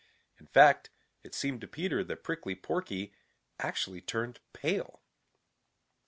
In fact, it seemed to Peter that Prickly Porky actually turned pale.